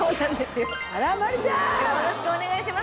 よろしくお願いします。